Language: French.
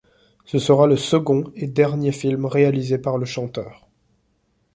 Ce sera le second et dernier film réalisé par le chanteur.